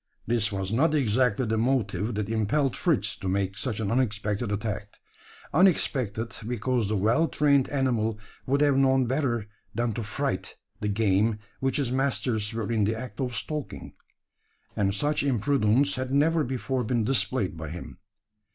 This was not exactly the motive that impelled Fritz to make such an unexpected attack unexpected, because the well trained animal would have known better than to fright the game which his masters were in the act of stalking; and such imprudence had never before been displayed by him.